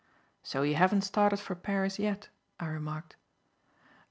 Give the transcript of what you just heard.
"So you haven't started for Paris yet," I remarked.